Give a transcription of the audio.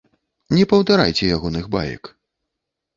Не паўтарайце ягоных баек.